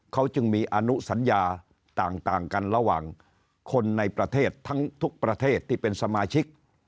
เขาจึงมีอนุสัญญาต่างกันระหว่างคนในประเทศทั้งทุกประเทศที่เป็นสมาชิก